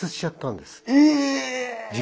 え！